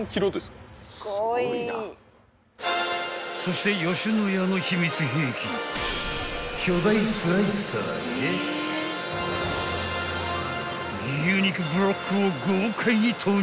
［そして野家の秘密兵器巨大スライサーへ牛肉ブロックを豪快に投入］